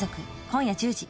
今夜１０時。